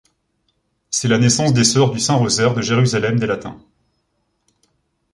C'est la naissance des Sœurs du Saint Rosaire de Jérusalem des Latins.